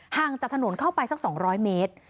ห่างจากถนนเข้าไปสัก๒๐๐เมตร